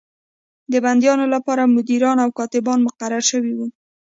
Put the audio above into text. د بندیانو لپاره مدیران او کاتبان مقرر شوي وو.